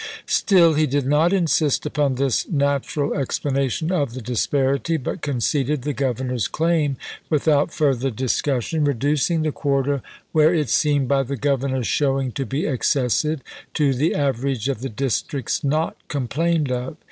Still he did not insist upon this natural explanation of the disparity, but conceded the Governor's claim without further discussion, reducing the quota, where it seemed by the Governor's showing to be excessive, to the average of the districts not com plained of.